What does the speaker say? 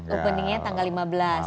openingnya tanggal lima belas